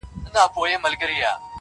په نري تار مي تړلې یارانه ده-